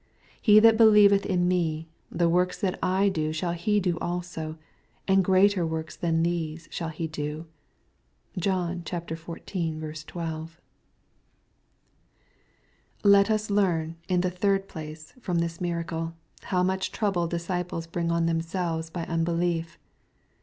" He that believeth on me, the works that I do shall he do also, and greater works than these shall he do." (John xiv. 12.) Let us learn, in the third place, from this miracle, how I much trouble disciples bring on themselves by unbelief.